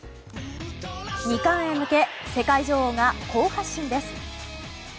２冠へ向け世界女王が好発進です。